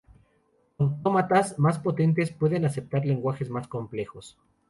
Autómatas más potentes pueden aceptar lenguajes más complejos.